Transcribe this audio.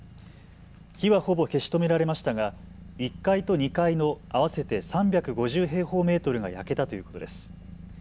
火はほぼ消し止められましたが１階と２階の合わせて３５０平方メートルが焼けたということです。